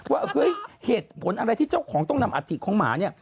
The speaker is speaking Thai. ว่าเฮ้ยเหตุผลอะไรที่เจ้าของต้องนำอัฐิของหมาเนี่ย